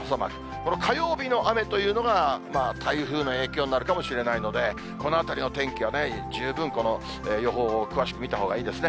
この火曜日の雨というのが台風の影響になるかもしれないので、このあたりの天気はね、十分予報を詳しく見たほうがいいですね。